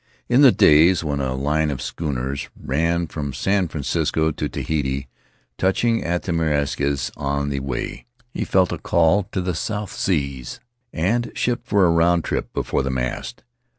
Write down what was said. In the days when a line of schooners ran from San Francisco to Tahiti, touching at the Marquesas on the way, he felt a call to the South Seas, and shipped for a round trip before the mast.